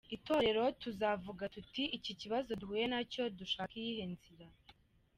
Itorero tuzavuga tuti iki kibazo duhuye nacyo dushake iyihe nzira.